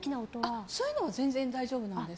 そういうのは全然大丈夫なんです。